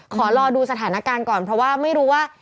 ขอรอดูสถานการณ์ก่อนเพราะว่าไม่รู้ว่า